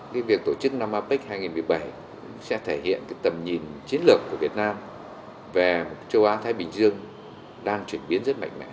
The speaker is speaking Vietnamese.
điện việc tổ chức năm apec hai nghìn một mươi bảy sẽ thể hiện tầm nhìn chiến lược của việt nam về châu á thái bình dương